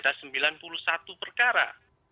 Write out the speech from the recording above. ada sembilan puluh satu perkara